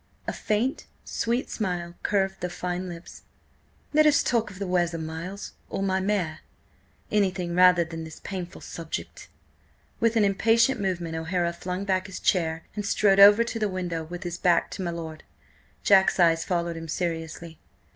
A faint, sweet smile curved the fine lips. "Let us talk of the weather, Miles, or my mare. Anything rather than this painful subject." With an impatient movement O'Hara flung back his chair and strode over to the window with his back to my lord. Jack's eyes followed him seriously.